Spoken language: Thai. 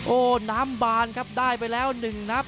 โอ้โหน้ำบานครับได้ไปแล้ว๑นับ